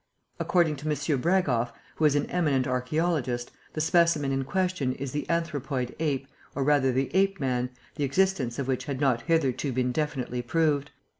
"According to M. Bragoff, who is an eminent archæologist, the specimen in question is the anthropoid ape, or rather the ape man, the existence of which had not hitherto been definitely proved.